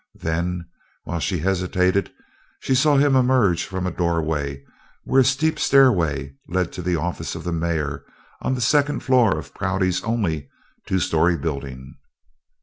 Then, while she hesitated she saw him emerge from a doorway where a steep stairway led to the office of the mayor on the second floor of Prouty's only two story building.